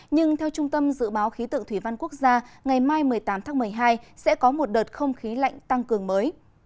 nhưng theo trung tâm dự báo khí tượng thủy văn quốc gia ngày mai một mươi tám tháng một mươi hai sẽ có một đợt không khí lạnh tăng cường mới